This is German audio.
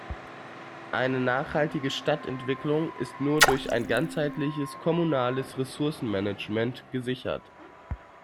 Eine nachhaltige Stadtentwicklung ist nur durch ein ganzheitliches kommunales Ressourcenmanagement gesichert.